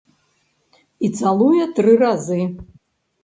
І цалуе тры разы.